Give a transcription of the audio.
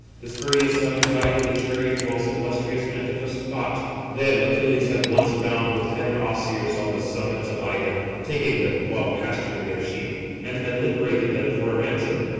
The spurious [son] guided the chariot, whilst illustrious Antiphus fought. Them Achilles had once bound with tender osiers on the summits of Ida, taking them while pasturing their sheep; and had liberated them for a ransom.